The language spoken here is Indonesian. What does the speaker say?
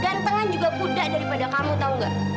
gantengan juga kuda daripada kamu tau gak